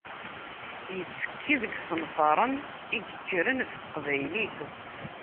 Yettekki deg yisenfaren i yekkren ɣef Teqbaylit.